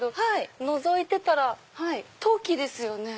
のぞいてたら陶器ですよね？